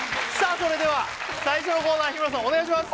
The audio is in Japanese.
それでは最初のコーナー日村さんお願いします！